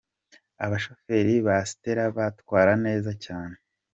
Abashoferi ba stella batwara neza cyane.